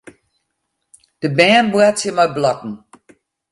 De bern boartsje mei blokken.